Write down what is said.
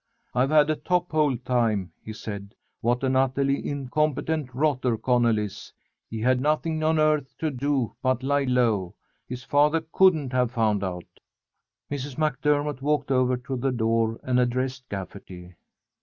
"I've had a top hole time," he said. "What an utterly incompetent rotter Connell is! He had nothing on earth to do but lie low. His father couldn't have found out." Mrs. MacDermott walked over to the door and addressed Gafferty.